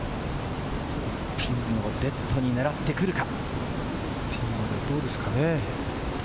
ピンをデッドに狙ってくるか。